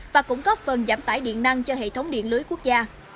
và cung cấp phần giảm tải điện năng cho hệ thống điện lưới quốc gia